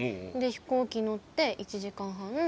で飛行機乗って１時間半。